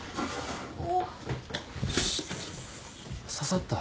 刺さった？